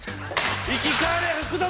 「生き返れ福留！」